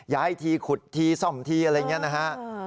ย้ายทีขุดทีซ่อมทีอะไรอย่างนี้นะฮะ